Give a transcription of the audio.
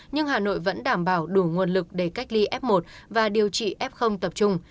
nhưng hà nội vẫn đảm bảo đủ nguồn lực để cách ly f một và điều trị f tập trung